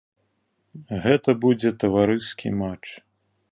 Гэта будзе таварыскі матч.